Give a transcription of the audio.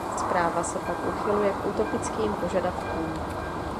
Zpráva se pak uchyluje k utopickým požadavkům.